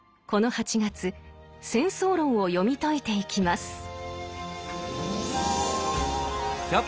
この８月「戦争論」を読み解いていきます。